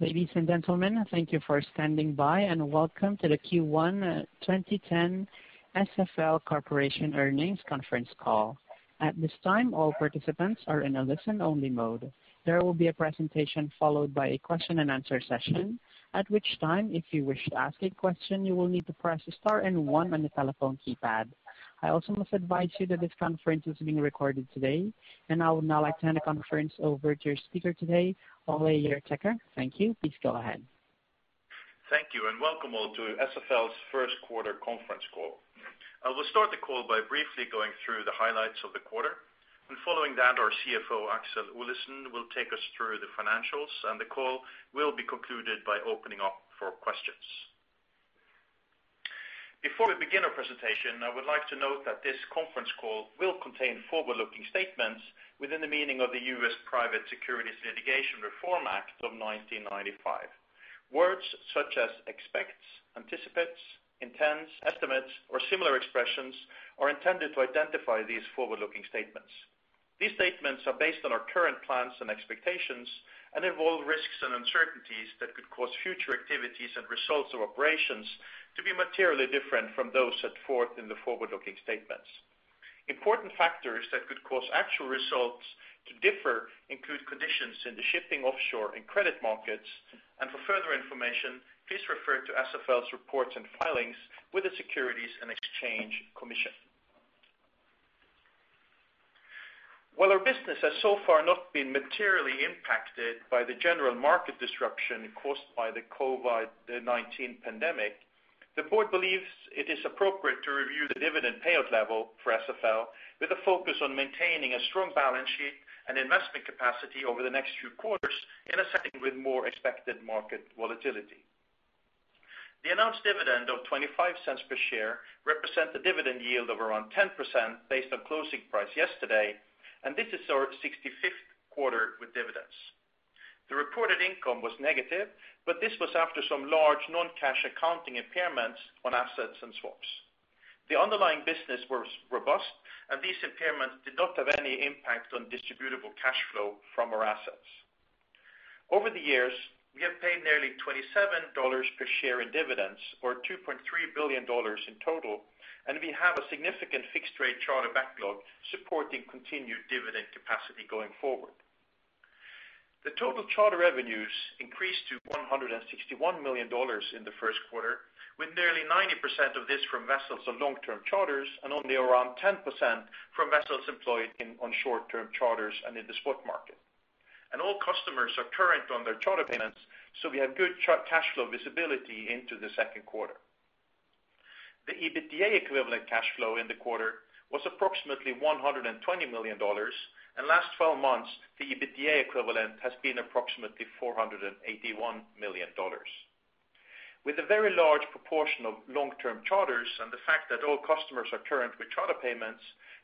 Ladies and gentlemen, thank you for standing by, and welcome to the Q1 2020 SFL Corporation Earnings Conference Call. At this time, all participants are in a listen-only mode. There will be a presentation followed by a question and answer session, at which time, if you wish to ask a question, you will need to press star and one on the telephone keypad. I also must advise you that this conference is being recorded today, and I would now like to hand the conference over to your speaker today, Ole Hjertaker. Thank you. Please go ahead. Thank you, and welcome all to SFL's first quarter conference call. I will start the call by briefly going through the highlights of the quarter. Following that, our CFO, Aksel Olesen, will take us through the financials, and the call will be concluded by opening up for questions. Before we begin our presentation, I would like to note that this conference call will contain forward-looking statements within the meaning of the U.S. Private Securities Litigation Reform Act of 1995. Words such as expects, anticipates, intends, estimates, or similar expressions are intended to identify these forward-looking statements. These statements are based on our current plans and expectations and involve risks and uncertainties that could cause future activities and results of operations to be materially different from those set forth in the forward-looking statements. Important factors that could cause actual results to differ include conditions in the shipping offshore and credit markets. For further information, please refer to SFL's reports and filings with the Securities and Exchange Commission. While our business has so far not been materially impacted by the general market disruption caused by the COVID-19 pandemic, the board believes it is appropriate to review the dividend payout level for SFL, with a focus on maintaining a strong balance sheet and investment capacity over the next few quarters in a setting with more expected market volatility. The announced dividend of $0.25 per share represent the dividend yield of around 10% based on closing price yesterday, and this is our 65th quarter with dividends. The reported income was negative, but this was after some large non-cash accounting impairments on assets and swaps. The underlying business was robust, and these impairments did not have any impact on distributable cash flow from our assets. Over the years, we have paid nearly $27 per share in dividends or $2.3 billion in total, and we have a significant fixed rate charter backlog supporting continued dividend capacity going forward. The total charter revenues increased to $161 million in the first quarter, with nearly 90% of this from vessels on long-term charters and only around 10% from vessels employed on short-term charters and in the spot market. All customers are current on their charter payments, so we have good cash flow visibility into the second quarter. The EBITDA equivalent cash flow in the quarter was approximately $120 million, and last 12 months, the EBITDA equivalent has been approximately $481 million. With a very large proportion of long-term charters and the fact that all customers are current with charter payments,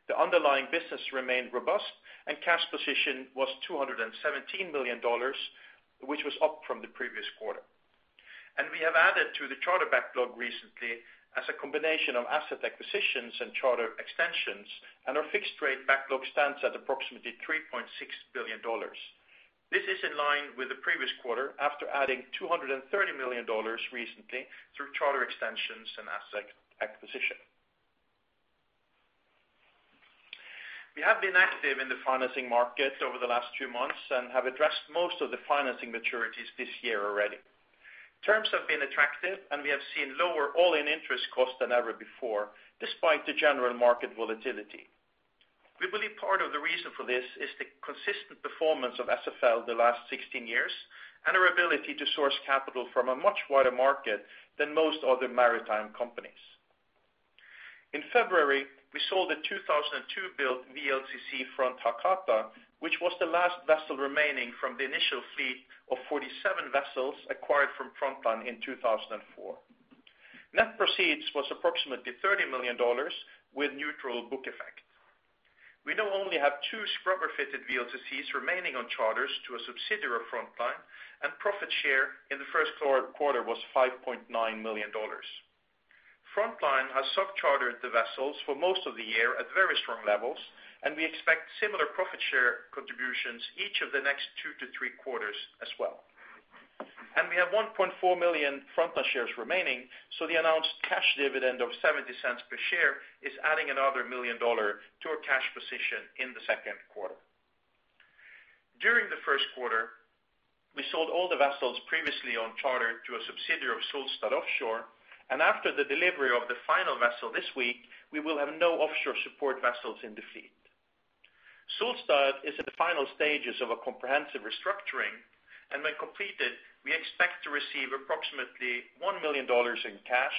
the underlying business remained robust and cash position was $217 million, which was up from the previous quarter. We have added to the charter backlog recently as a combination of asset acquisitions and charter extensions, and our fixed rate backlog stands at approximately $3.6 billion. This is in line with the previous quarter after adding $230 million recently through charter extensions and asset acquisition. We have been active in the financing market over the last two months and have addressed most of the financing maturities this year already. Terms have been attractive, and we have seen lower all-in interest cost than ever before, despite the general market volatility. We believe part of the reason for this is the consistent performance of SFL the last 16 years and our ability to source capital from a much wider market than most other maritime companies. In February, we sold a 2002-built VLCC Front Hakata, which was the last vessel remaining from the initial fleet of 47 vessels acquired from Frontline in 2004. Net proceeds was approximately $30 million with neutral book effect. We now only have two scrubber-fitted VLCCs remaining on charters to a subsidiary of Frontline, and profit share in the first quarter was $5.9 million. Frontline has sub-chartered the vessels for most of the year at very strong levels, and we expect similar profit share contributions each of the next two to three quarters as well. We have 1.4 million Frontline shares remaining, so the announced cash dividend of $0.70 per share is adding another $1 million to our cash position in the second quarter. During the first quarter, we sold all the vessels previously on charter to a subsidiary of Solstad Offshore, and after the delivery of the final vessel this week, we will have no offshore support vessels in the fleet. Solstad is at the final stages of a comprehensive restructuring, and when completed, we expect to receive approximately $1 million in cash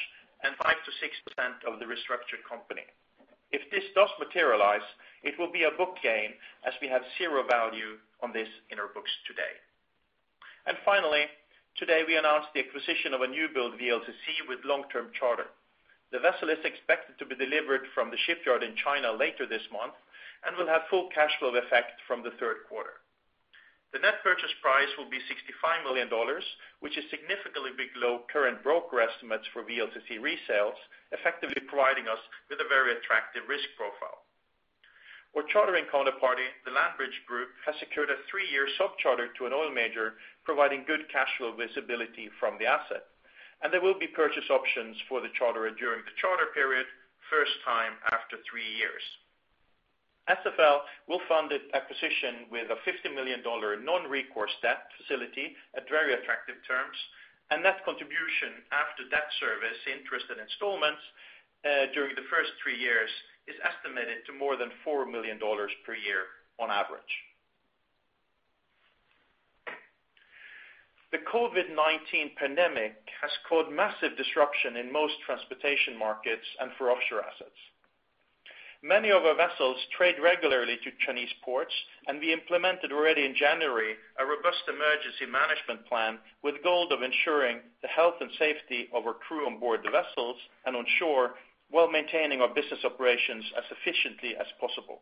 and 5%-6% of the restructured company. If this does materialize, it will be a book gain as we have zero value on this in our books today. Finally, today we announced the acquisition of a new build VLCC with long-term charter. The vessel is expected to be delivered from the shipyard in China later this month and will have full cash flow effect from the third quarter. The net purchase price will be $65 million, which is significantly below current broker estimates for VLCC resales, effectively providing us with a very attractive risk profile. Our chartering counterparty, the Landbridge Group, has secured a three-year sub-charter to an oil major, providing good cash flow visibility from the asset. There will be purchase options for the charterer during the charter period, first time after three years. SFL will fund its acquisition with a $50 million non-recourse debt facility at very attractive terms, and net contribution after debt service interest and installments during the first three years is estimated to more than $4 million per year on average. The COVID-19 pandemic has caused massive disruption in most transportation markets and for offshore assets. Many of our vessels trade regularly to Chinese ports. We implemented already in January a robust emergency management plan with the goal of ensuring the health and safety of our crew on board the vessels and on shore, while maintaining our business operations as efficiently as possible.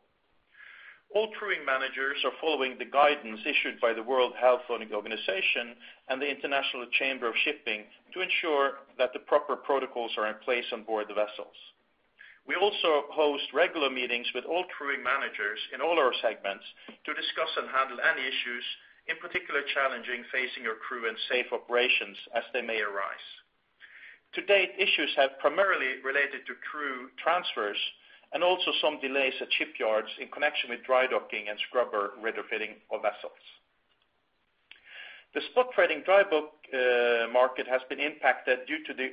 All crewing managers are following the guidance issued by the World Health Organization and the International Chamber of Shipping to ensure that the proper protocols are in place on board the vessels. We also host regular meetings with all crewing managers in all our segments to discuss and handle any issues, in particular challenging facing our crew and safe operations as they may arise. To date, issues have primarily related to crew transfers and also some delays at shipyards in connection with dry docking and scrubber retrofitting of vessels. The spot trading dry bulk market has been impacted due to the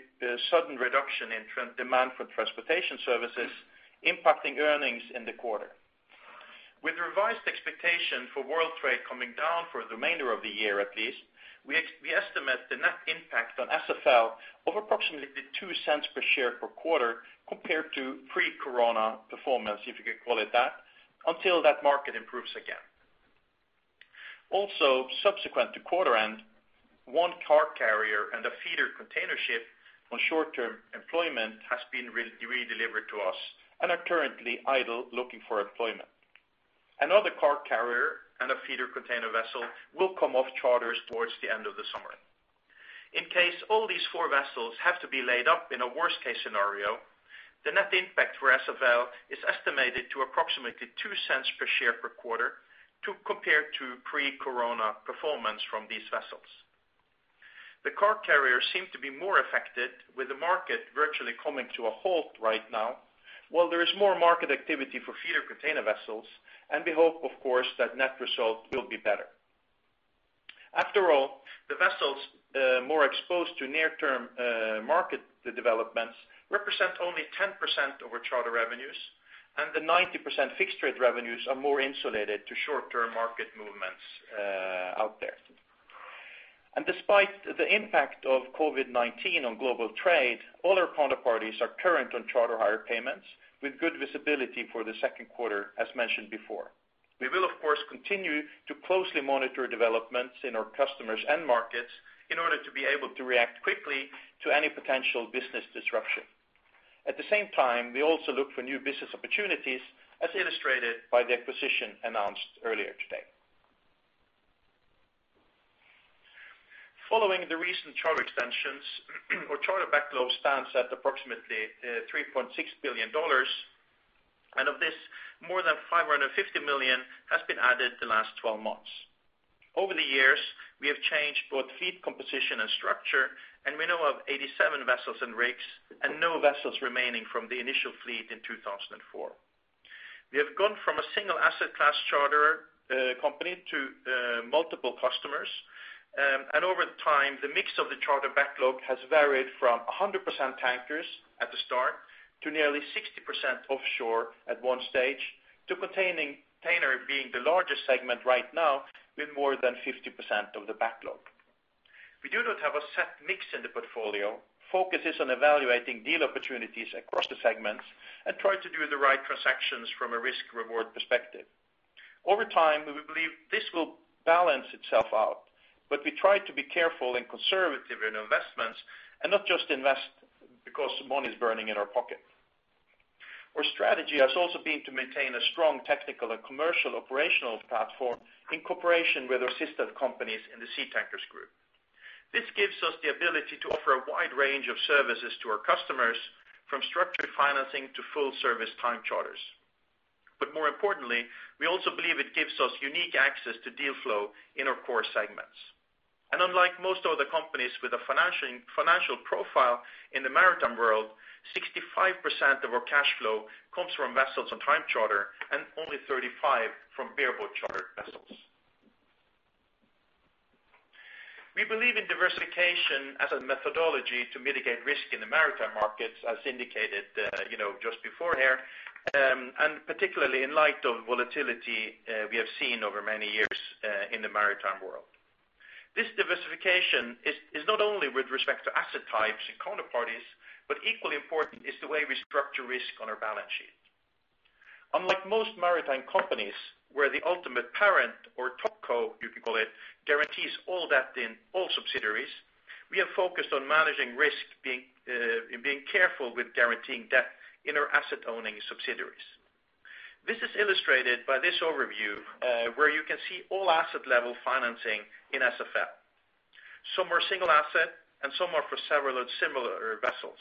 sudden reduction in demand for transportation services, impacting earnings in the quarter. With revised expectation for world trade coming down for the remainder of the year at least, we estimate the net impact on SFL of approximately $0.02 per share per quarter compared to pre-corona performance, if you could call it that, until that market improves again. Also, subsequent to quarter end, one car carrier and a feeder container ship on short-term employment has been redelivered to us and are currently idle looking for employment. Another car carrier and a feeder container vessel will come off charters towards the end of the summer. In case all these four vessels have to be laid up in a worst-case scenario, the net impact for SFL is estimated to approximately $0.02 per share per quarter compared to pre-corona performance from these vessels. The car carriers seem to be more affected with the market virtually coming to a halt right now, while there is more market activity for feeder container vessels, and we hope, of course, that net result will be better. After all, the vessels more exposed to near-term market developments represent only 10% of our charter revenues, and the 90% fixed rate revenues are more insulated to short-term market movements out there. Despite the impact of COVID-19 on global trade, all our counterparties are current on charter hire payments with good visibility for the second quarter, as mentioned before. We will, of course, continue to closely monitor developments in our customers and markets in order to be able to react quickly to any potential business disruption. At the same time, we also look for new business opportunities, as illustrated by the acquisition announced earlier today. Following the recent charter extensions, our charter backlog stands at approximately $3.6 billion, and of this, more than $550 million has been added the last 12 months. Over the years, we have changed both fleet composition and structure, and we now have 87 vessels and rigs and no vessels remaining from the initial fleet in 2004. We have gone from a single asset class charter company to multiple customers, and over time, the mix of the charter backlog has varied from 100% tankers at the start to nearly 60% offshore at one stage to container being the largest segment right now with more than 50% of the backlog. We do not have a set mix in the portfolio. Focus is on evaluating deal opportunities across the segments and try to do the right transactions from a risk/reward perspective. Over time, we believe this will balance itself out, but we try to be careful and conservative in investments and not just invest because money is burning in our pocket. Our strategy has also been to maintain a strong technical and commercial operational platform in cooperation with our sister companies in the Seatankers Group. This gives us the ability to offer a wide range of services to our customers, from structured financing to full service time charters. More importantly, we also believe it gives us unique access to deal flow in our core segments. Unlike most other companies with a financial profile in the maritime world, 65% of our cash flow comes from vessels on time charter and only 35% from bareboat charter vessels. We believe in diversification as a methodology to mitigate risk in the maritime markets, as indicated just before here, and particularly in light of volatility we have seen over many years in the maritime world. This diversification is not only with respect to asset types and counterparties, but equally important is the way we structure risk on our balance sheet. Unlike most maritime companies, where the ultimate parent or topco, you could call it, guarantees all debt in all subsidiaries, we are focused on managing risk in being careful with guaranteeing debt in our asset-owning subsidiaries. This is illustrated by this overview, where you can see all asset level financing in SFL. Some are single asset and some are for several and similar vessels.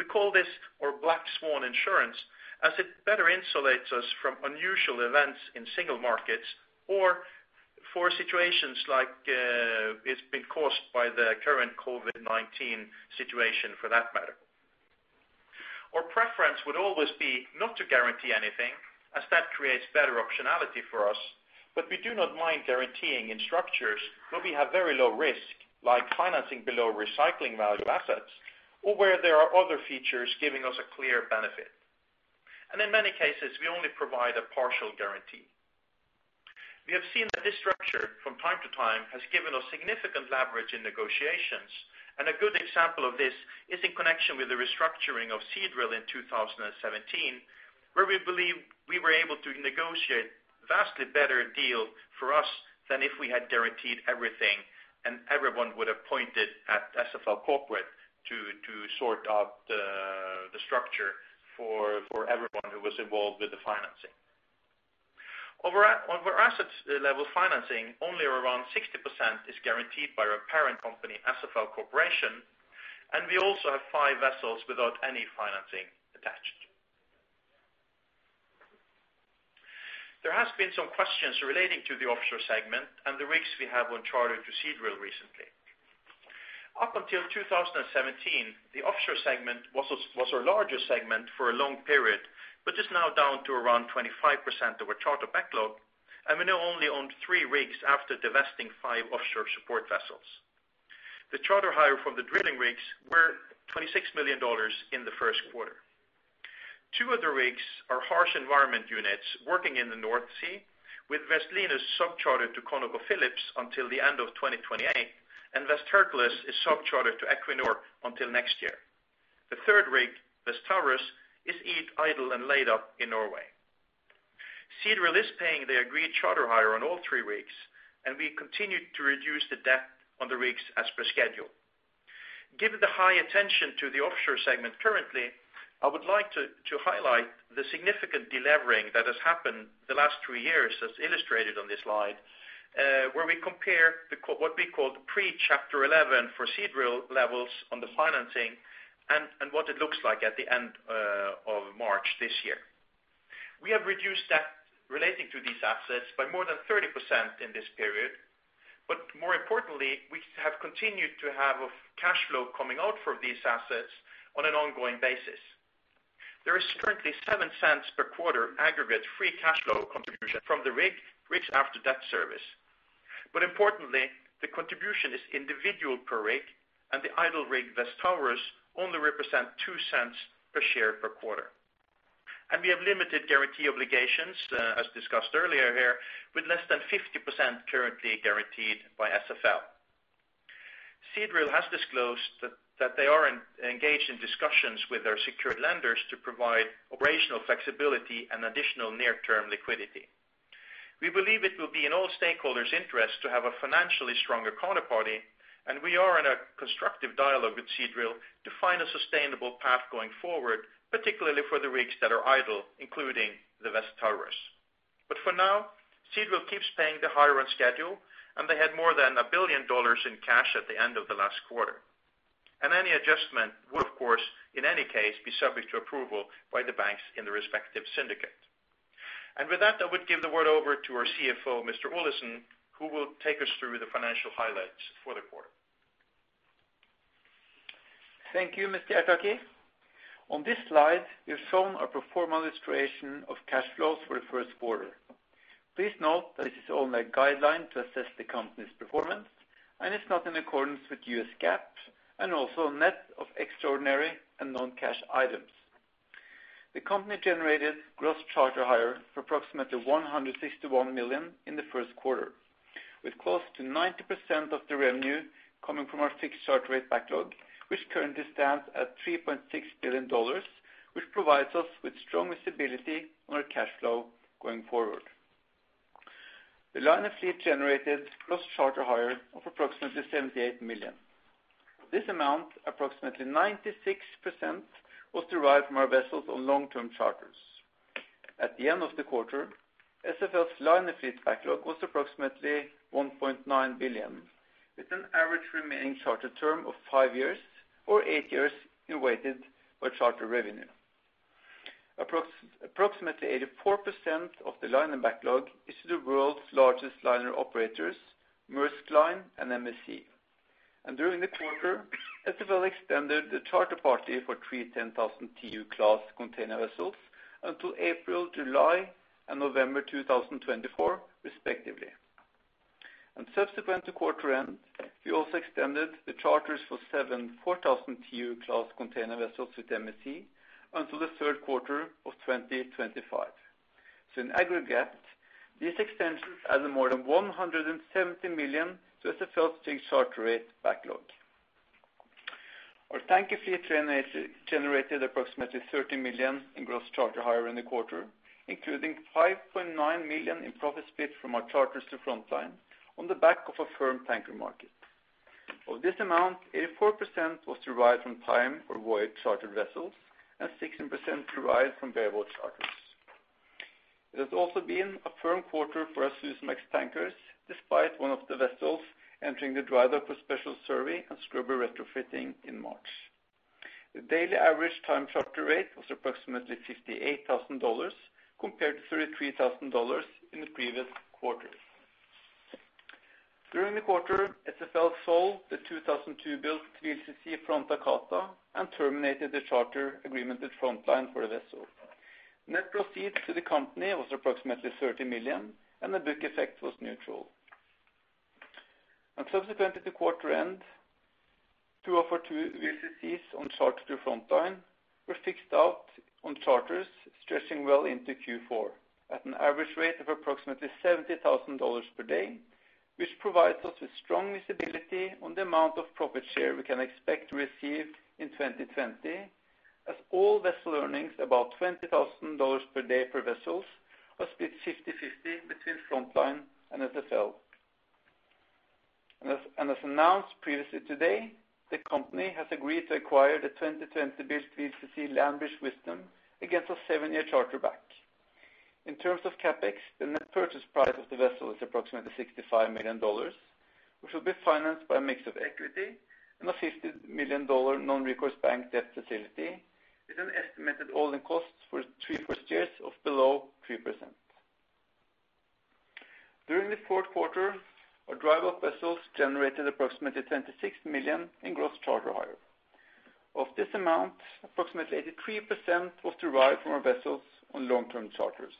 We call this our black swan insurance, as it better insulates us from unusual events in single markets, or for situations like it's been caused by the current COVID-19 situation, for that matter. Our preference would always be not to guarantee anything, as that creates better optionality for us. We do not mind guaranteeing in structures where we have very low risk, like financing below recycling value assets, or where there are other features giving us a clear benefit. In many cases, we only provide a partial guarantee. We have seen that this structure from time to time has given us significant leverage in negotiations, and a good example of this is in connection with the restructuring of Seadrill in 2017, where we believe we were able to negotiate vastly better deal for us than if we had guaranteed everything, and everyone would have pointed at SFL Corporation to sort out the structure for everyone who was involved with the financing. Of our assets level financing, only around 60% is guaranteed by our parent company, SFL Corporation, and we also have five vessels without any financing attached. There has been some questions relating to the offshore segment and the rigs we have on charter to Seadrill recently. Up until 2017, the offshore segment was our largest segment for a long period, but is now down to around 25% of our charter backlog, and we now only own three rigs after divesting five offshore support vessels. The charter hire from the drilling rigs were $26 million in the first quarter. Two of the rigs are harsh environment units working in the North Sea, with West Linus sub-chartered to ConocoPhillips until the end of 2028, and West Hercules is sub-chartered to Equinor until next year. The third rig, West Taurus, is idle and laid up in Norway. Seadrill is paying the agreed charter hire on all three rigs, and we continue to reduce the debt on the rigs as per schedule. Given the high attention to the offshore segment currently, I would like to highlight the significant de-levering that has happened the last three years as illustrated on this slide, where we compare what we call the pre-Chapter 11 for Seadrill levels on the financing and what it looks like at the end of March this year. We have reduced debt relating to these assets by more than 30% in this period. More importantly, we have continued to have cash flow coming out from these assets on an ongoing basis. There is currently $0.07 per quarter aggregate free cash flow contribution from the rig after debt service. Importantly, the contribution is individual per rig and the idle rig, West Taurus, only represent $0.02 per share per quarter. We have limited guarantee obligations, as discussed earlier here, with less than 50% currently guaranteed by SFL. Seadrill has disclosed that they are engaged in discussions with our secured lenders to provide operational flexibility and additional near-term liquidity. We believe it will be in all stakeholders' interest to have a financially stronger counterparty. We are in a constructive dialogue with Seadrill to find a sustainable path going forward, particularly for the rigs that are idle, including the West Taurus. For now, Seadrill keeps paying the hire on schedule, and they had more than $1 billion in cash at the end of the last quarter. Any adjustment would, of course, in any case, be subject to approval by the banks in the respective syndicate. With that, I would give the word over to our CFO, Mr. Olesen, who will take us through the financial highlights for the quarter. Thank you, Mr. Hjertaker. On this slide, we've shown a pro forma illustration of cash flows for the first quarter. Please note that this is only a guideline to assess the company's performance and it's not in accordance with US GAAP and also net of extraordinary and non-cash items. The company generated gross charter hire for approximately $161 million in the first quarter, with close to 90% of the revenue coming from our fixed charter rate backlog, which currently stands at $3.6 billion, which provides us with strong stability on our cash flow going forward. The liner fleet generated gross charter hire of approximately $78 million. This amount, approximately 96%, was derived from our vessels on long-term charters. At the end of the quarter, SFL's liner fleet backlog was approximately $1.9 billion, with an average remaining charter term of five years or eight years weighted by charter revenue. Approximately 84% of the liner backlog is the world's largest liner operators, Maersk Line and MSC. During the quarter, SFL extended the charter party for three 10,000 TEU class container vessels until April, July, and November 2024, respectively. Subsequent to quarter end, we also extended the charters for seven 4,000 TEU class container vessels with MSC until the third quarter of 2025. In aggregate, these extensions add more than $170 million to SFL fixed charter rate backlog. Our tanker fleet generated approximately $30 million in gross charter hire in the quarter, including $5.9 million in profit split from our charters to Frontline on the back of a firm tanker market. Of this amount, 84% was derived from time or voyage charter vessels and 16% derived from bareboat charters. It has also been a firm quarter for our Suezmax tankers, despite one of the vessels entering the drydock for special survey and scrubber retrofitting in March. The daily average time charter rate was approximately $58,000, compared to $33,000 in the previous quarter. During the quarter, SFL sold the 2002-built VLCC Front Hakata and terminated the charter agreement with Frontline for the vessel. Net proceeds to the company was approximately $30 million, and the book effect was neutral. Subsequent to quarter end, two of our two VLCCs on charter to Frontline were fixed out on charters stretching well into Q4 at an average rate of approximately $70,000 per day, which provides us with strong visibility on the amount of profit share we can expect to receive in 2020, as all vessel earnings, about $20,000 per day per vessels, are split 50/50 between Frontline and SFL. As announced previously today, the company has agreed to acquire the 2020-built VLCC Landbridge Wisdom against a seven-year charter back. In terms of CapEx, the net purchase price of the vessel is approximately $65 million, which will be financed by a mix of equity and a $50 million non-recourse bank debt facility with an estimated all-in cost for three first years of below 3%. During the fourth quarter, our dry bulk vessels generated approximately $26 million in gross charter hire. Of this amount, approximately 83% was derived from our vessels on long-term charters.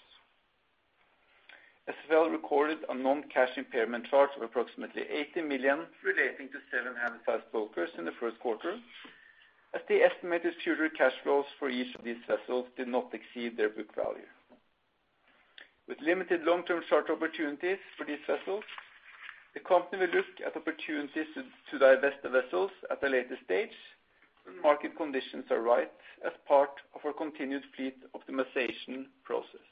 SFL recorded a non-cash impairment charge of approximately $80 million relating to seven handysize bulkers in the first quarter, as the estimated future cash flows for each of these vessels did not exceed their book value. With limited long-term charter opportunities for these vessels, the company will look at opportunities to divest the vessels at a later stage when market conditions are right as part of our continued fleet optimization process.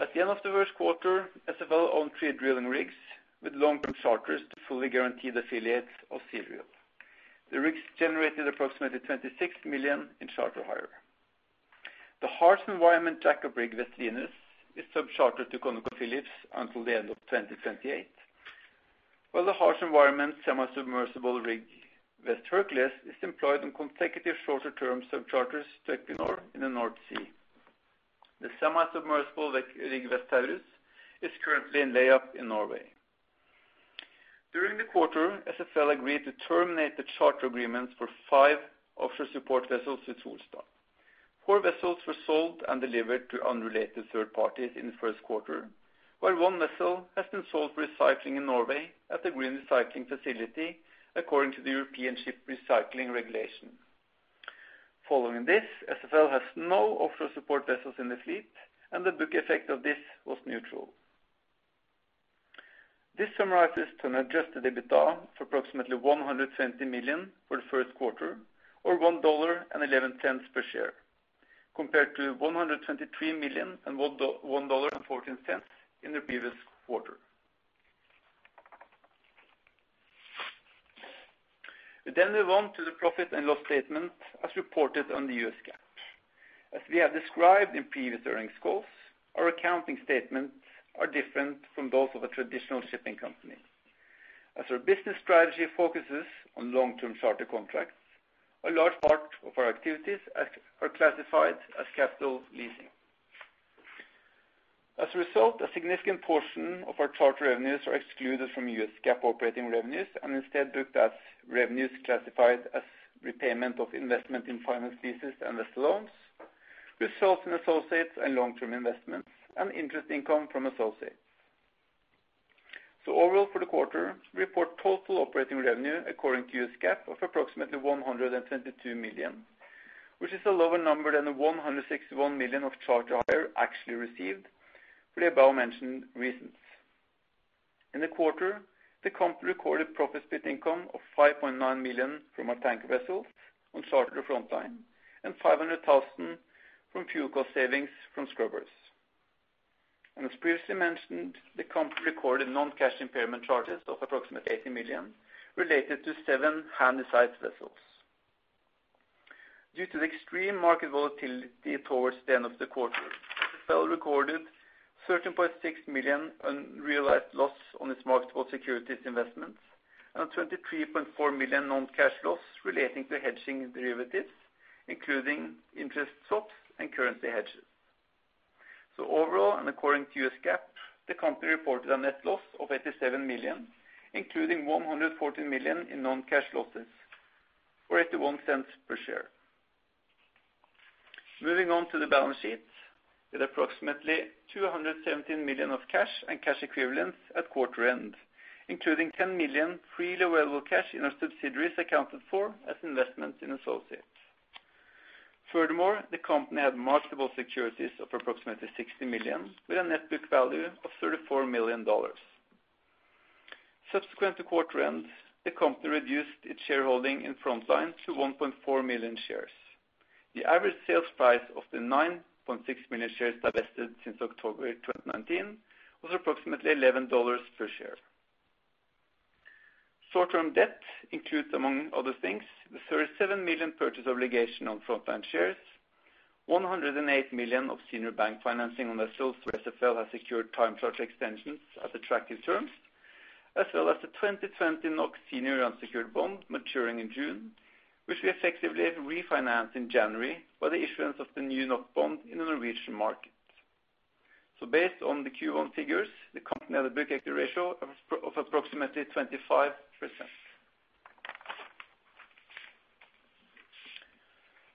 At the end of the first quarter, SFL owned three drilling rigs with long-term charters to fully guaranteed affiliates of Seadrill. The rigs generated approximately $26 million in charter hire. The harsh environment jackup rig West Linus is subchartered to ConocoPhillips until the end of 2028, while the harsh environment semi-submersible rig West Hercules is employed on consecutive shorter-term subcharters to Equinor in the North Sea. The semi-submersible rig West Taurus is currently in layup in Norway. During the quarter, SFL agreed to terminate the charter agreements for five offshore support vessels with Solstad. Four vessels were sold and delivered to unrelated third parties in the first quarter, while one vessel has been sold for recycling in Norway at the green recycling facility, according to the European Ship Recycling Regulation. Following this, SFL has no offshore support vessels in the fleet, and the book effect of this was neutral. This summarizes to an adjusted EBITDA for approximately $120 million for the first quarter, or $1.11 per share, compared to $123 million and $1.14 in the previous quarter. We move on to the profit and loss statement as reported on the US GAAP. As we have described in previous earnings calls, our accounting statements are different from those of a traditional shipping company. As our business strategy focuses on long-term charter contracts, a large part of our activities are classified as capital leasing. As a result, a significant portion of our charter revenues are excluded from US GAAP operating revenues and instead booked as revenues classified as repayment of investment in finance leases and vessel loans, with certain associates and long-term investments and interest income from associates. Overall, for the quarter, we report total operating revenue according to US GAAP of approximately $122 million, which is a lower number than the $161 million of charter hire actually received for the above-mentioned reasons. In the quarter, the company recorded profit split income of $5.9 million from our tanker vessels on charter to Frontline and $500,000 from fuel cost savings from scrubbers. As previously mentioned, the company recorded non-cash impairment charges of approximately $80 million related to seven handysize vessels. Due to the extreme market volatility towards the end of the quarter, SFL recorded $13.6 million unrealized loss on its marketable securities investments and a $23.4 million non-cash loss relating to hedging derivatives, including interest swaps and currency hedges. Overall, and according to US GAAP, the company reported a net loss of $87 million, including $114 million in non-cash losses, or $0.81 per share. Moving on to the balance sheet, with approximately $217 million of cash and cash equivalents at quarter end, including $10 million freely available cash in our subsidiaries accounted for as investments in associates. Furthermore, the company had marketable securities of approximately $60 million, with a net book value of $34 million. Subsequent to quarter end, the company reduced its shareholding in Frontline to 1.4 million shares. The average sales price of the 9.6 million shares divested since October 2019 was approximately $11 per share. Short-term debt includes, among other things, the $37 million purchase obligation on Frontline shares, $108 million of senior bank financing on vessels where SFL has secured time charter extensions at attractive terms, as well as the 2020 NOK senior unsecured bond maturing in June, which we effectively refinanced in January by the issuance of the new NOK bond in the Norwegian market. Based on the Q1 figures, the company had a book equity ratio of approximately 25%.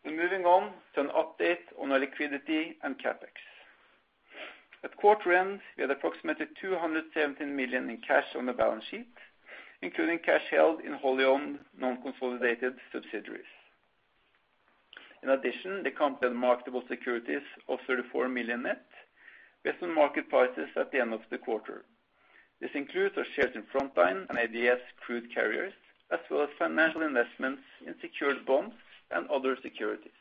Moving on to an update on our liquidity and CapEx. At quarter end, we had approximately $217 million in cash on the balance sheet, including cash held in wholly owned non-consolidated subsidiaries. In addition, the company had marketable securities of $34 million net based on market prices at the end of the quarter. This includes our shares in Frontline and ADS Crude Carriers, as well as financial investments in secured bonds and other securities.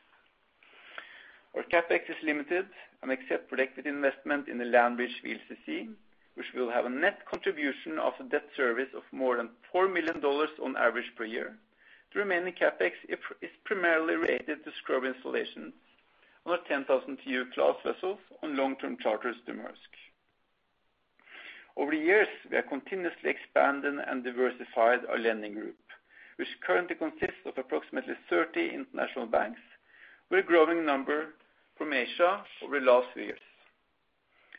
Our CapEx is limited except for predicted investment in the Landbridge Wisdom VLCC, which will have a net contribution of a debt service of more than $4 million on average per year. The remaining CapEx is primarily related to scrubber installations on our 10,000 TEU class vessels on long-term charters to Maersk. Over the years, we have continuously expanded and diversified our lending group, which currently consists of approximately 30 international banks, with a growing number from Asia over the last few years.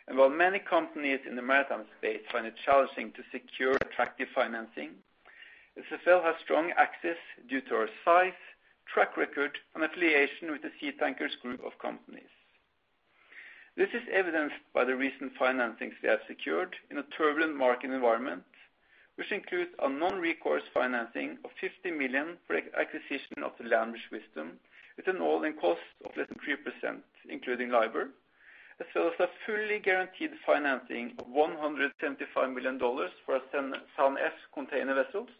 While many companies in the maritime space find it challenging to secure attractive financing, SFL has strong access due to our size, track record, and affiliation with the Seatankers Group of companies. This is evidenced by the recent financings we have secured in a turbulent market environment, which includes a non-recourse financing of $50 million for the acquisition of the Landbridge Wisdom with an all-in cost of less than 3%, including LIBOR, as well as a fully guaranteed financing of $175 million for our seven container vessels,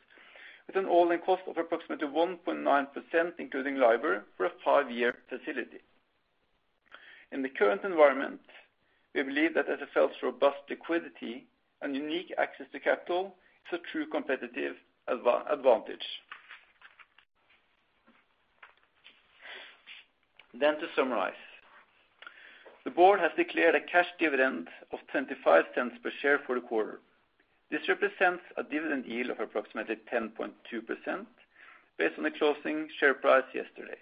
with an all-in cost of approximately 1.9%, including LIBOR, for a five-year facility. In the current environment, we believe that SFL's robust liquidity and unique access to capital is a true competitive advantage. To summarize, the board has declared a cash dividend of $0.25 per share for the quarter. This represents a dividend yield of approximately 10.2% based on the closing share price yesterday.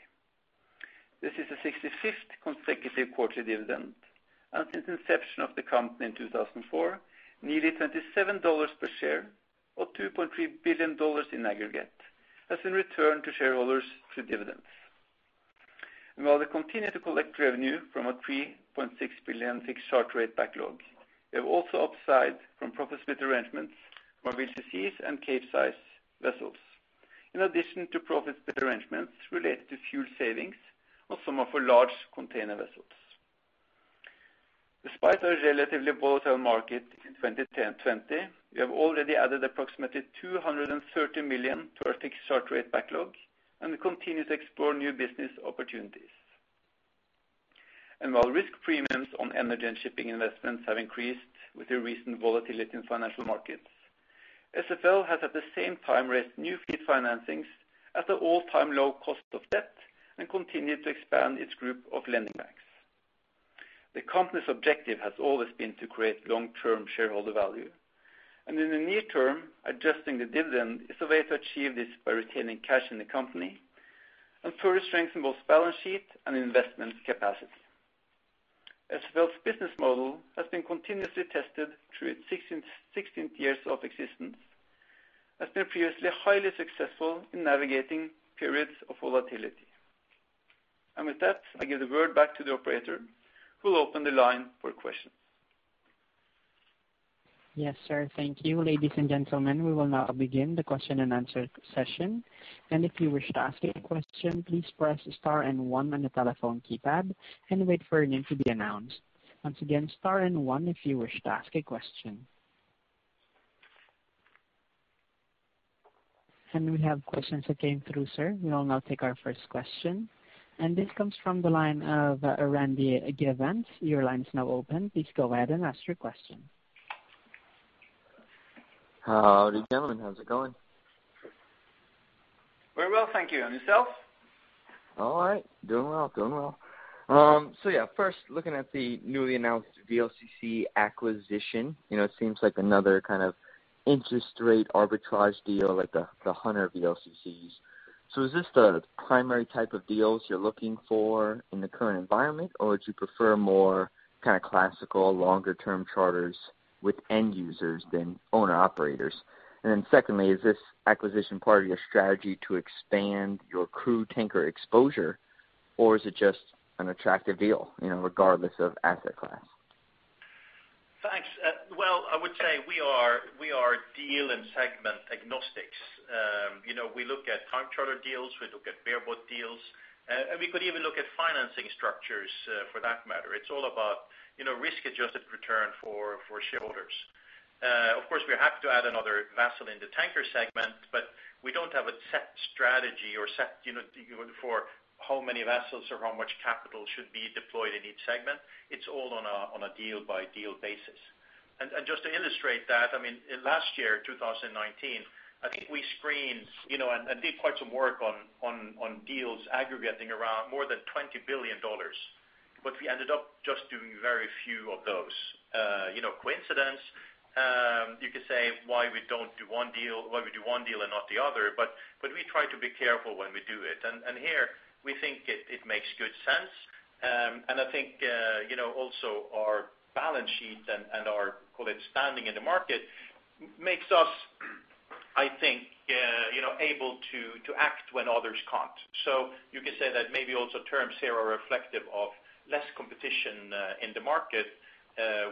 This is the 65th consecutive quarterly dividend. Since inception of the company in 2004, nearly $27 per share or $2.3 billion in aggregate has been returned to shareholders through dividends. While they continue to collect revenue from a $3.6 billion fixed charter rate backlog, they have also upside from profit split arrangements for VLCCs and Capesize vessels, in addition to profit split arrangements related to fuel savings of some of our large container vessels. Despite our relatively volatile market in 2020, we have already added approximately $230 million to our fixed charter rate backlog and we continue to explore new business opportunities. While risk premiums on energy and shipping investments have increased with the recent volatility in financial markets, SFL has at the same time raised new fleet financings at an all-time low cost of debt and continued to expand its group of lending banks. The company's objective has always been to create long-term shareholder value. In the near term, adjusting the dividend is a way to achieve this by retaining cash in the company and further strengthen both balance sheet and investment capacity. SFL's business model has been continuously tested through its 16 years of existence, has been previously highly successful in navigating periods of volatility. With that, I give the word back to the operator, who will open the line for questions. Yes, sir. Thank you. Ladies and gentlemen, we will now begin the question and answer session, and if you wish to ask a question, please press star and one on the telephone keypad and wait for your name to be announced. Once again, star and one if you wish to ask a question. We have questions that came through, sir. We will now take our first question, and this comes from the line of Randy Giveans. Your line is now open. Please go ahead and ask your question. Howdy, gentlemen. How's it going? Very well, thank you. Yourself? All right. Doing well. Yeah, first, looking at the newly announced VLCC acquisition, it seems like another kind of interest rate arbitrage deal, like the Hunter VLCCs. Is this the primary type of deals you're looking for in the current environment, or would you prefer more kind of classical longer-term charters with end users than owner-operators? Secondly, is this acquisition part of your strategy to expand your crude tanker exposure, or is it just an attractive deal regardless of asset class? Thanks. Well, I would say we are deal and segment agnostics. We look at time charter deals, we look at bareboat deals, and we could even look at financing structures for that matter. It's all about risk-adjusted return for shareholders. Of course, we have to add another vessel in the tanker segment. We don't have a set strategy or set for how many vessels or how much capital should be deployed in each segment. It's all on a deal-by-deal basis. Just to illustrate that, last year, 2019, I think we screened and did quite some work on deals aggregating around more than $20 billion. We ended up just doing very few of those. Coincidence, you could say why we do one deal and not the other, but we try to be careful when we do it. Here, we think it makes good sense. I think also our balance sheet and our, call it, standing in the market makes us, I think, able to act when others can't. You could say that maybe also terms here are reflective of less competition in the market,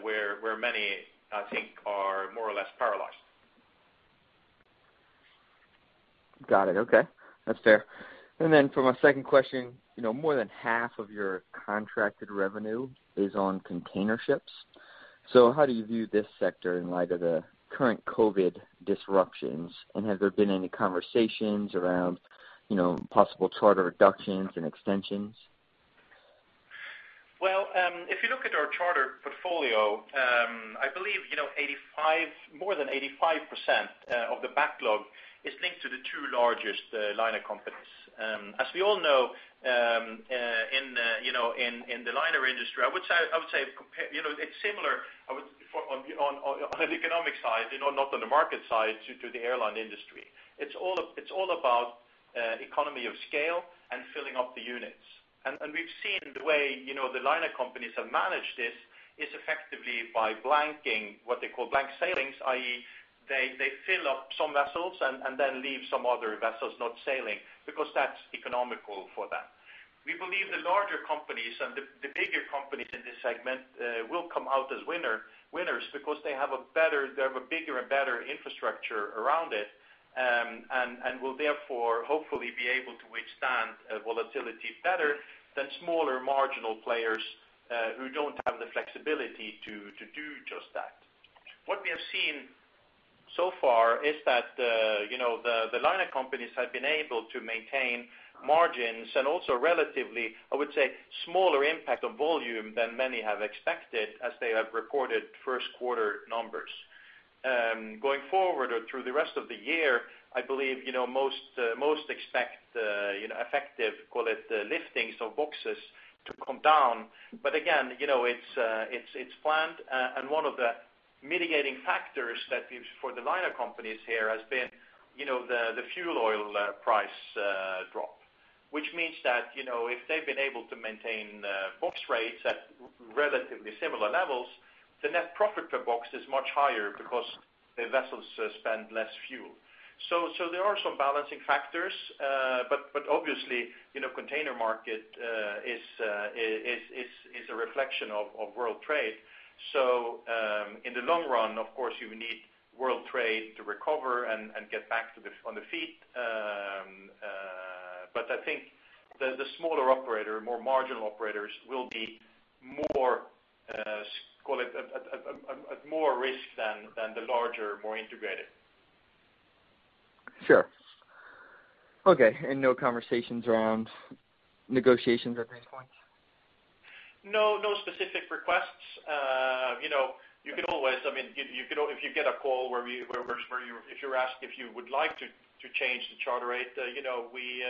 where many, I think, are more or less paralyzed. Got it. Okay. That's fair. For my second question, more than half of your contracted revenue is on container ships. How do you view this sector in light of the current COVID-19 disruptions? Have there been any conversations around possible charter reductions and extensions? Well, if you look at our charter portfolio, I believe more than 85% of the backlog is linked to the two largest liner companies. As we all know, in the liner industry, I would say it's similar on the economic side, not on the market side to the airline industry. It's all about economy of scale and filling up the units. We've seen the way the liner companies have managed this is effectively by blanking, what they call blank sailings, i.e., they fill up some vessels and then leave some other vessels not sailing, because that's economical for them. We believe the larger companies and the bigger companies in this segment will come out as winners because they have a bigger and better infrastructure around it, and will therefore, hopefully, be able to withstand volatility better than smaller marginal players who don't have the flexibility to do just that. What we have seen so far is that the liner companies have been able to maintain margins and also relatively, I would say, smaller impact on volume than many have expected as they have reported first quarter numbers. Going forward or through the rest of the year, I believe most expect effective, call it, liftings of boxes to come down. Again, it's planned, and one of the mitigating factors for the liner companies here has been the fuel oil price drop, which means that if they've been able to maintain box rates at relatively similar levels, the net profit per box is much higher because the vessels spend less fuel. There are some balancing factors. Obviously, container market is a reflection of world trade. In the long run, of course, you need world trade to recover and get back on the feet. I think the smaller operator, more marginal operators will be at more risk than the larger, more integrated. Sure. Okay. No conversations around negotiations at this point? No specific requests. If you get a call where if you're asked if you would like to change the charter rate, we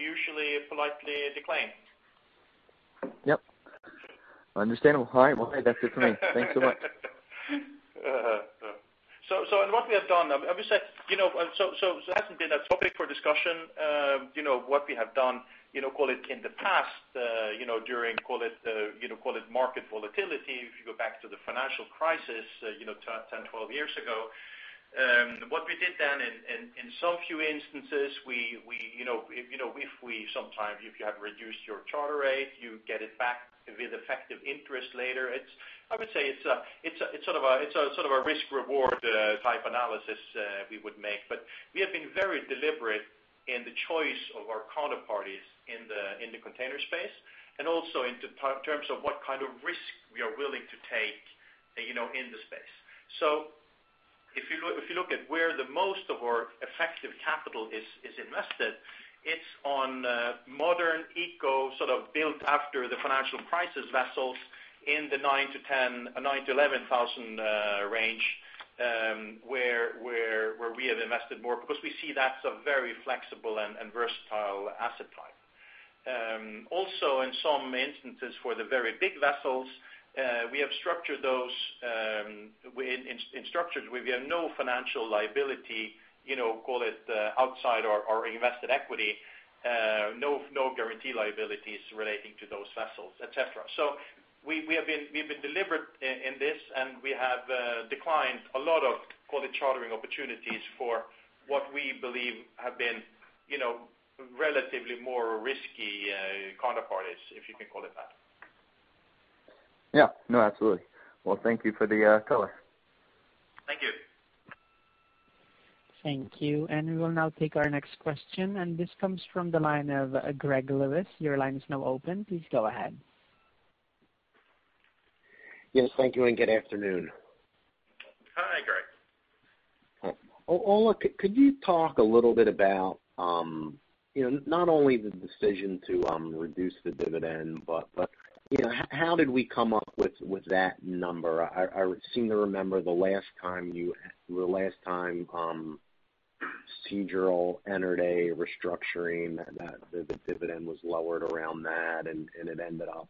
usually politely decline. Yep. Understandable. All right. Well, hey, that's it for me. Thanks so much. It hasn't been a topic for discussion. What we have done, call it, in the past, during call it market volatility, if you go back to the financial crisis 10, 12 years ago, what we did then in some few instances, if you have reduced your charter rate, you get it back with effective interest later. I would say it's a sort of a risk-reward type analysis we would make. We have been very deliberate in the choice of our counterparties in the container space, and also in terms of what kind of risk we are willing to take in the space. If you look at where the most of our effective capital is invested, it's on modern eco, sort of built after the financial crisis vessels in the 9,000-11,000 range, where we have invested more because we see that's a very flexible and versatile asset type. Also, in some instances, for the very big vessels, we have structured those in structures where we have no financial liability, call it, outside our invested equity, no guarantee liabilities relating to those vessels, et cetera. We have been deliberate in this, and we have declined a lot of, call it, chartering opportunities for what we believe have been relatively more risky counterparties, if you can call it that. Yeah. No, absolutely. Well, thank you for the color. Thank you. Thank you. We will now take our next question, and this comes from the line of Greg Lewis. Your line is now open. Please go ahead. Yes. Thank you, and good afternoon. Hi, Greg. Ole, could you talk a little bit about, not only the decision to reduce the dividend, but how did we come up with that number? I seem to remember the last time Seadrill entered a restructuring, that the dividend was lowered around that, and it ended up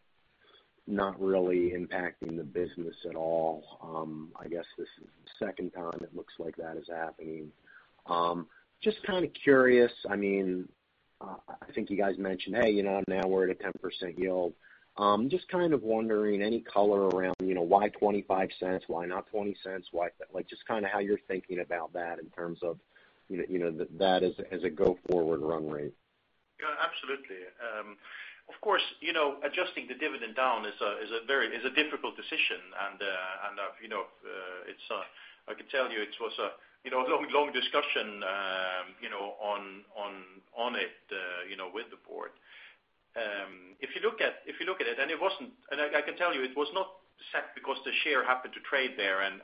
not really impacting the business at all. I guess this is the second time it looks like that is happening. Just kind of curious, I think you guys mentioned, now we're at a 10% yield. Just kind of wondering any color around, why $0.25? Why not $0.20? Just how you're thinking about that in terms of that as a go-forward run rate. Yeah, absolutely. Of course, adjusting the dividend down is a difficult decision, and I can tell you it was a long discussion on it with the board. If you look at it, and I can tell you it was not set because the share happened to trade there and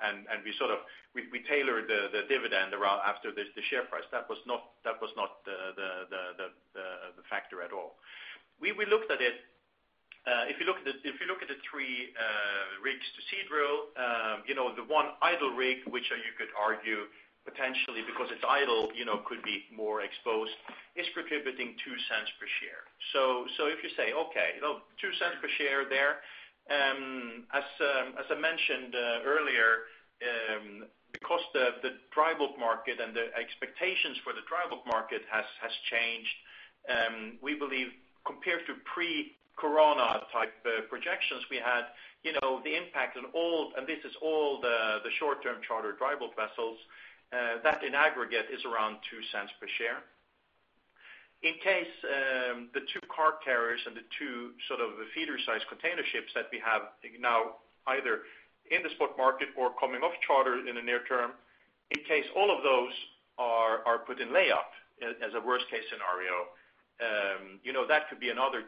we tailored the dividend after the share price. That was not the factor at all. We looked at it. If you look at the three rigs to Seadrill, the one idle rig, which you could argue potentially because it's idle, could be more exposed, is contributing $0.02 per share. If you say, Okay, $0.02 per share there. As I mentioned earlier, because the dry bulk market and the expectations for the dry bulk market has changed, we believe compared to pre-corona type projections we had, the impact on all, and this is all the short-term charter dry bulk vessels, that in aggregate is around $0.02 per share. In case the two car carriers and the two feeder size container ships that we have now, either in the spot market or coming off charter in the near term, in case all of those are put in layup, as a worst case scenario, that could be another $0.02.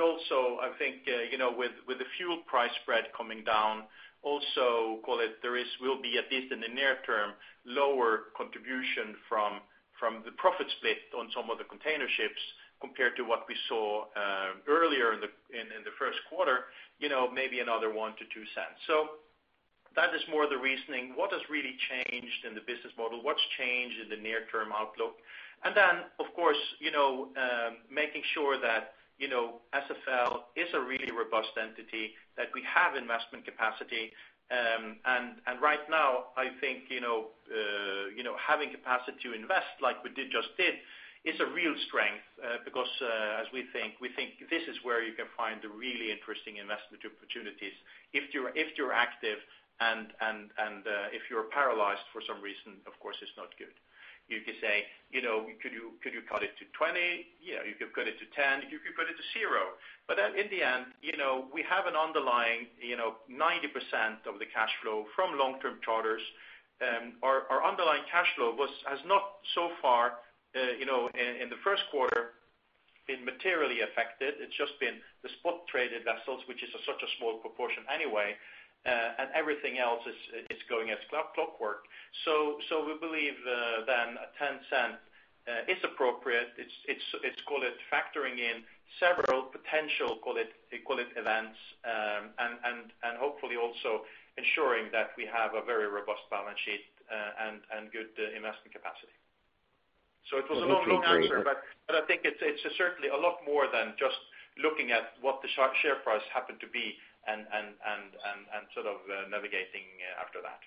Also, I think, with the fuel price spread coming down, also, call it, there will be, at least in the near term, lower contribution from the profit split on some of the container ships compared to what we saw earlier in the first quarter, maybe another $0.01-$0.02. That is more the reasoning. What has really changed in the business model? What's changed in the near-term outlook? Of course, making sure that SFL is a really robust entity, that we have investment capacity. Right now, I think, having capacity to invest like we just did, is a real strength, because we think this is where you can find the really interesting investment opportunities if you're active, and if you're paralyzed for some reason, of course it's not good. You could say, could you cut it to $20? You could cut it to $10. You could cut it to zero. In the end, we have an underlying 90% of the cash flow from long-term charters. Our underlying cash flow has not so far in the first quarter been materially affected. It's just been the spot traded vessels, which is such a small proportion anyway. Everything else is going as clockwork. We believe $0.10 is appropriate. It's, call it, factoring in several potential events and hopefully also ensuring that we have a very robust balance sheet and good investment capacity. It was a long answer. Thank you, Greg. I think it's certainly a lot more than just looking at what the share price happened to be and sort of navigating after that.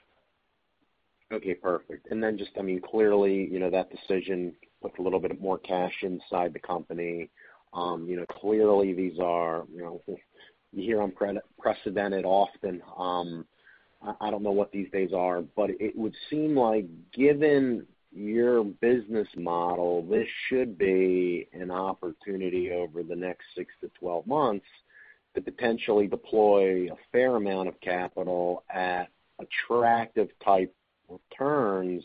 Okay, perfect. Just clearly, that decision puts a little bit more cash inside the company. Clearly these are, you hear unprecedented often. I don't know what these days are, but it would seem like given your business model, this should be an opportunity over the next 6 to 12 months to potentially deploy a fair amount of capital at attractive type returns.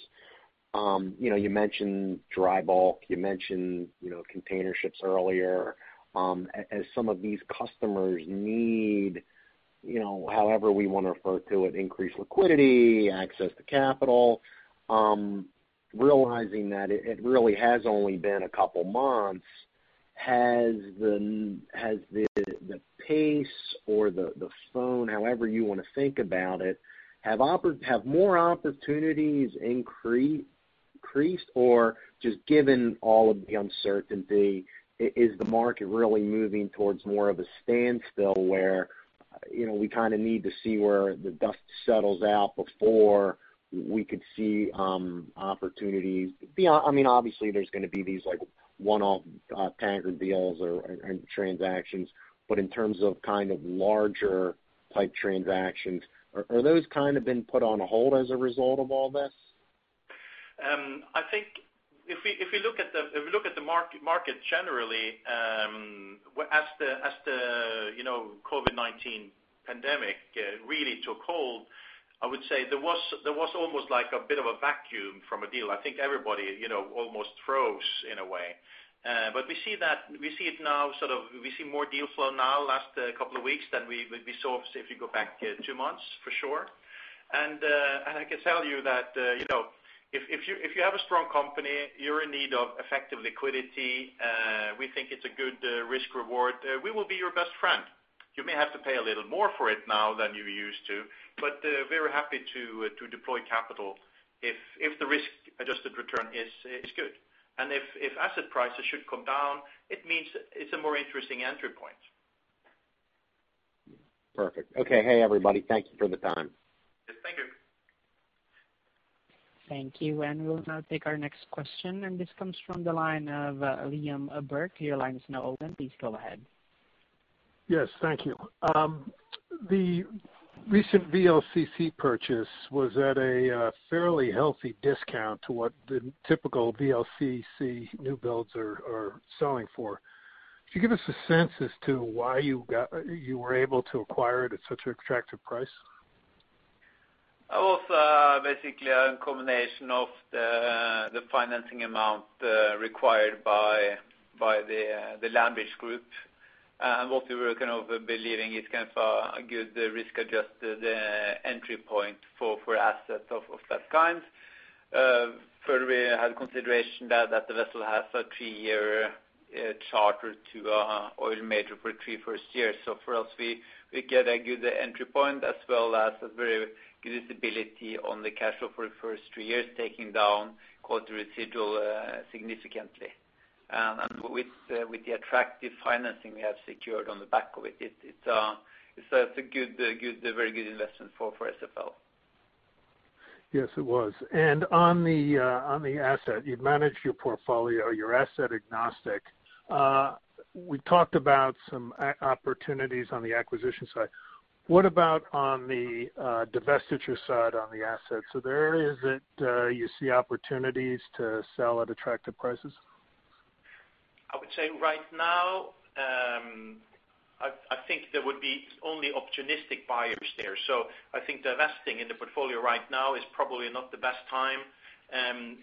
You mentioned dry bulk, you mentioned container ships earlier. As some of these customers need, however we want to refer to it, increased liquidity, access to capital, realizing that it really has only been a couple months, has the pace or the phone, however you want to think about it, have more opportunities increased? Just given all of the uncertainty, is the market really moving towards more of a standstill where we kind of need to see where the dust settles out before we could see opportunities? Obviously there's going to be these one-off staggered deals or transactions, but in terms of larger type transactions, are those kind of been put on hold as a result of all this? I think if we look at the market generally, as the COVID-19 pandemic really took hold, I would say there was almost a bit of a vacuum from a deal. I think everybody almost froze in a way. We see more deal flow now last couple of weeks than we saw if you go back two months, for sure. I can tell you that if you have a strong company, you're in need of effective liquidity, we think it's a good risk reward. We will be your best friend. You may have to pay a little more for it now than you used to, but we are happy to deploy capital if the risk-adjusted return is good. If asset prices should come down, it means it's a more interesting entry point. Perfect. Okay. Hey, everybody. Thank you for the time. Yes. Thank you. Thank you. We will now take our next question. This comes from the line of Liam Burke. Your line is now open. Please go ahead. Yes. Thank you. The recent VLCC purchase was at a fairly healthy discount to what the typical VLCC new builds are selling for. Could you give us a sense as to why you were able to acquire it at such an attractive price? That was basically a combination of the financing amount required by the Landbridge Group, and what we were believing is a good risk-adjusted entry point for asset of that kind. Further, we had consideration that the vessel has a three-year charter to a oil major for three first years. For us, we get a good entry point as well as a very good visibility on the cash flow for the first three years, taking down [call it residual] significantly. With the attractive financing we have secured on the back of it's a very good investment for SFL. Yes, it was. On the asset, you've managed your portfolio, your asset agnostic. We talked about some opportunities on the acquisition side. What about on the divestiture side on the asset? There is it, you see opportunities to sell at attractive prices? I would say right now, I think there would be only opportunistic buyers there. I think divesting in the portfolio right now is probably not the best time.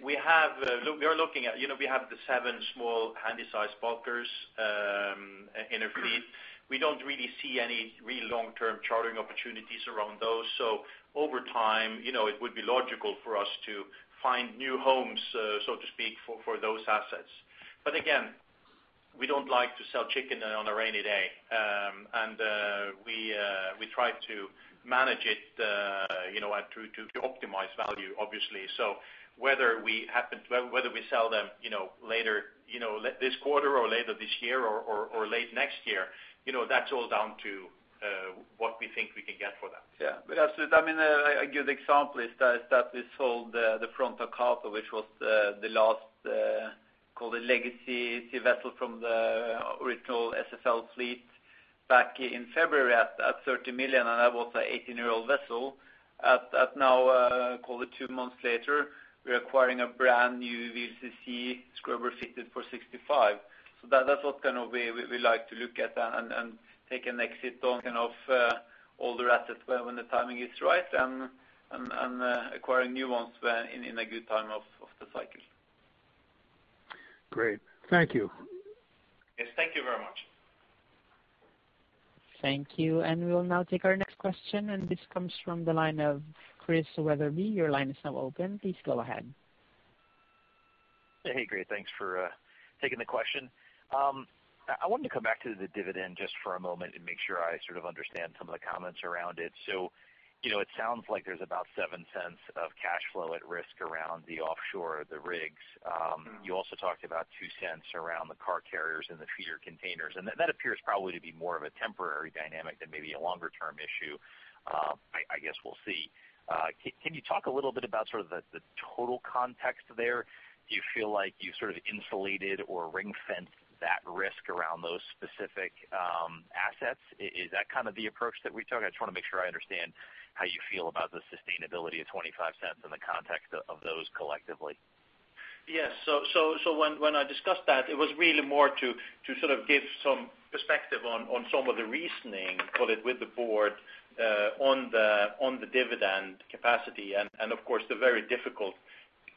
We have the seven small handy-sized bulkers in our fleet. We don't really see any really long-term chartering opportunities around those. Over time, it would be logical for us to find new homes, so to speak, for those assets. Again, we don't like to sell chicken on a rainy day. We try to manage it to optimize value, obviously. Whether we sell them this quarter or later this year or late next year, that's all down to what we think we can get for that. Absolutely, a good example is that we sold the Front Hakata, which was the last, call it legacy vessel from the original SFL fleet back in February at $30 million, and that was an 18-year-old vessel. Now call it two months later, we are acquiring a brand new VLCC scrubber fitted for $65. That's what we like to look at and take an exit on kind of older assets when the timing is right and acquiring new ones in a good time of the cycle. Great. Thank you. Yes. Thank you very much. Thank you. We will now take our next question, and this comes from the line of Chris Wetherbee. Your line is now open. Please go ahead. Hey, great. Thanks for taking the question. I wanted to come back to the dividend just for a moment and make sure I sort of understand some of the comments around it. It sounds like there's about $0.07 of cash flow at risk around the offshore, the rigs. You also talked about $0.02 around the car carriers and the feeder containers, that appears probably to be more of a temporary dynamic than maybe a longer-term issue. I guess we'll see. Can you talk a little bit about the total context there? Do you feel like you've insulated or ring-fenced that risk around those specific assets? Is that kind of the approach that we took? I just want to make sure I understand how you feel about the sustainability of $0.25 in the context of those collectively. Yes. When I discussed that, it was really more to sort of give some perspective on some of the reasoning, call it with the board, on the dividend capacity and of course, the very difficult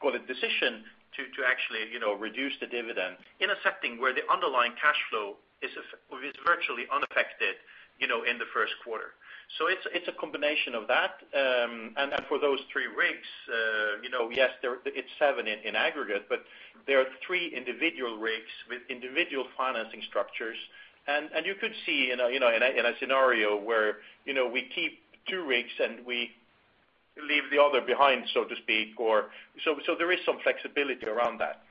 call it decision to actually reduce the dividend in a setting where the underlying cash flow is virtually unaffected in Q1. It's a combination of that. For those 3 rigs, yes, it's 7 in aggregate, but there are 3 individual rigs with individual financing structures. You could see in a scenario where we keep 2 rigs and we leave the other behind, so to speak, there is some flexibility around that.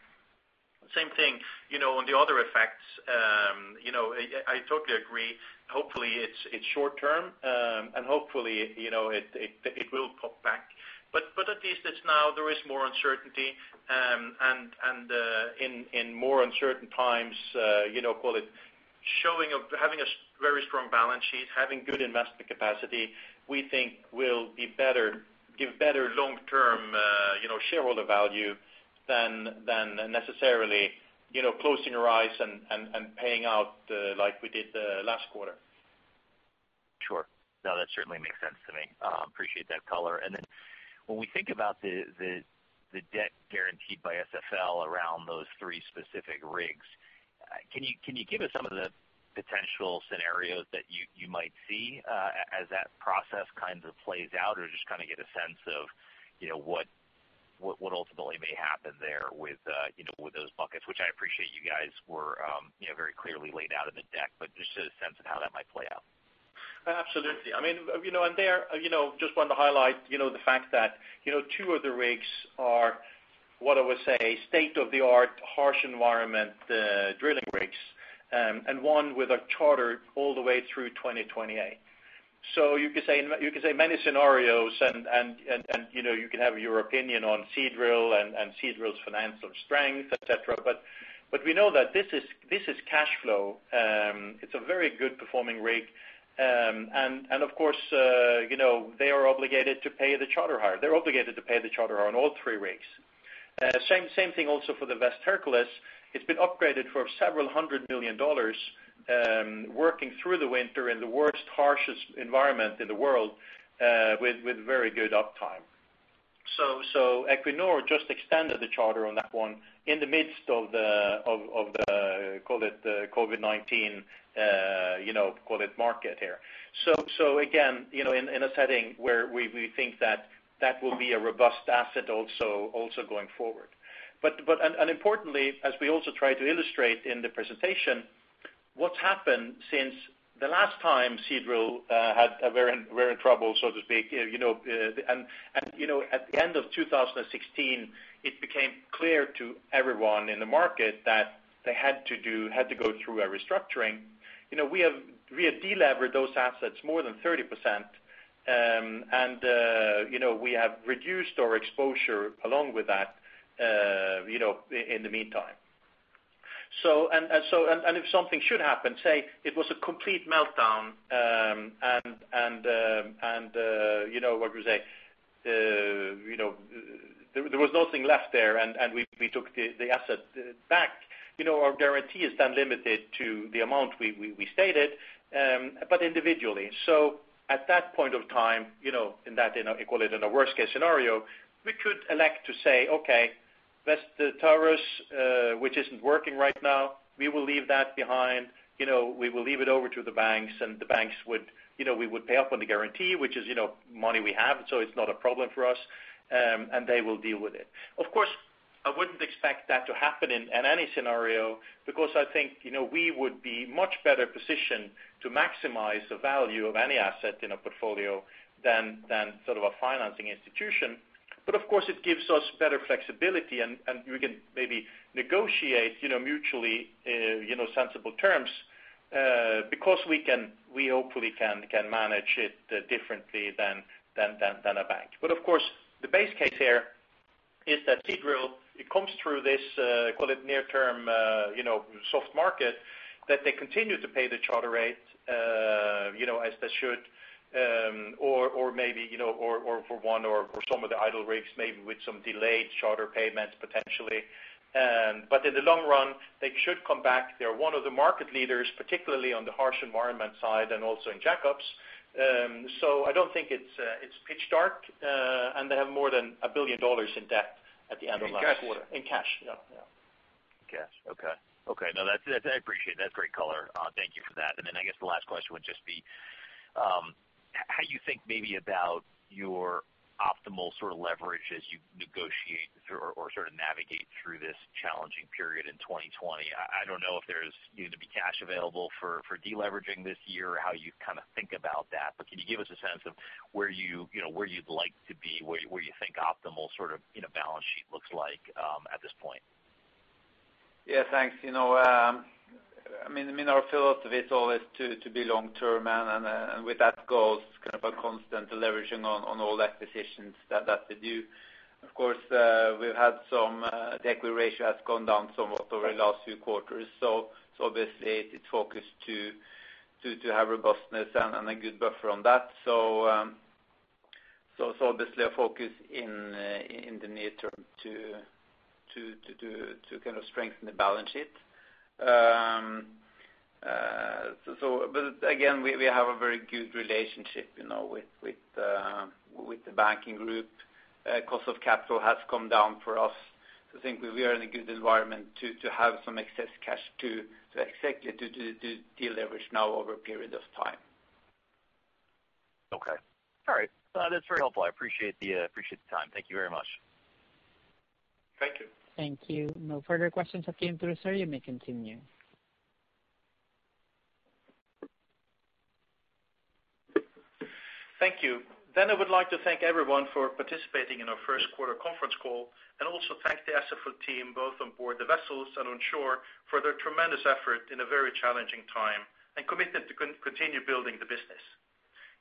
Same thing, on the other effects, I totally agree. Hopefully it's short-term, and hopefully, it will pop back. At least it's now there is more uncertainty, and in more uncertain times, call it having a very strong balance sheet, having good investment capacity, we think will give better long-term shareholder value than necessarily closing your eyes and paying out like we did last quarter. No, that certainly makes sense to me. Appreciate that color. When we think about the debt guaranteed by SFL around those three specific rigs, can you give us some of the potential scenarios that you might see as that process kind of plays out or just get a sense of what ultimately may happen there with those buckets, which I appreciate you guys were very clearly laid out in the deck, but just a sense of how that might play out. Absolutely. I just want to highlight the fact that two of the rigs are what I would say state-of-the-art, harsh environment drilling rigs, and one with a charter all the way through 2028. You could say many scenarios and you can have your opinion on Seadrill and Seadrill's financial strength, et cetera, but we know that this is cash flow. It's a very good performing rig. Of course, they are obligated to pay the charter hire. They are obligated to pay the charter on all three rigs. Same thing also for the West Hercules. It's been upgraded for $several hundred million, working through the winter in the worst, harshest environment in the world with very good uptime. Equinor just extended the charter on that one in the midst of the, call it, COVID-19 market here. Again, in a setting where we think that that will be a robust asset also going forward. Importantly, as we also tried to illustrate in the presentation, what's happened since the last time Seadrill had a very rare trouble, so to speak. At the end of 2016, it became clear to everyone in the market that they had to go through a restructuring. We have de-levered those assets more than 30%, and we have reduced our exposure along with that in the meantime. If something should happen, say it was a complete meltdown, and there was nothing left there, and we took the asset back. Our guarantee is then limited to the amount we stated, but individually. At that point of time, in that [call] in a worst-case scenario, we could elect to say, "Okay, West Taurus, which isn't working right now, we will leave that behind. We will leave it over to the banks." The banks would pay up on the guarantee, which is money we have, so it's not a problem for us, and they will deal with it. Of course, I wouldn't expect that to happen in any scenario because I think we would be much better positioned to maximize the value of any asset in a portfolio than sort of a financing institution. Of course, it gives us better flexibility, and we can maybe negotiate mutually sensible terms because we hopefully can manage it differently than a bank. Of course, the base case here is that Seadrill, it comes through this, call it near-term soft market, that they continue to pay the charter rate as they should or for one or for some of the idle rigs, maybe with some delayed charter payments potentially. In the long run, they should come back. They are one of the market leaders, particularly on the harsh environment side and also in jackups. I don't think it's pitch dark, and they have more than $1 billion in debt at the end of last quarter. In cash. In cash. Yeah. Cash. Okay. No, I appreciate it. That's great color. Thank you for that. I guess the last question would just be how you think maybe about your optimal sort of leverage as you negotiate or sort of navigate through this challenging period in 2020. I don't know if there's going to be cash available for de-leveraging this year or how you kind of think about that, but can you give us a sense of where you'd like to be, where you think optimal sort of balance sheet looks like at this point? Yeah, thanks. Our philosophy is always to be long-term, and with that goes kind of a constant leveraging on all acquisitions that they do. Of course, we have had some equity ratio has gone down somewhat over the last few quarters. Obviously it's focused to have robustness and a good buffer on that. Obviously a focus in the near term to kind of strengthen the balance sheet. Again, we have a very good relationship with the banking group. Cost of capital has come down for us. I think we are in a good environment to have some excess cash to exactly to de-leverage now over a period of time. Okay. All right. That's very helpful. I appreciate the time. Thank you very much. Thank you. Thank you. No further questions have come through, sir. You may continue. Thank you. I would like to thank everyone for participating in our first quarter conference call, and also thank the SFL team, both on board the vessels and on shore, for their tremendous effort in a very challenging time and commitment to continue building the business.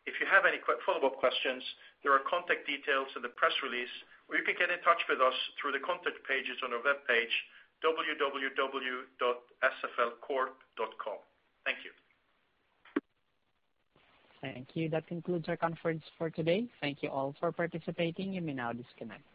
If you have any follow-up questions, there are contact details in the press release, or you can get in touch with us through the contact pages on our webpage, www.sflcorp.com. Thank you. Thank you. That concludes our conference for today. Thank you all for participating. You may now disconnect.